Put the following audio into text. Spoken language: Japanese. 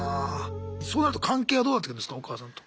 そうなると関係はどうなってくんですかお母さんと。